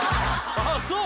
ああそう。